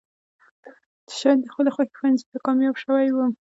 چې شايد د خپلې خوښې پوهنځۍ ته کاميابه شوې يم.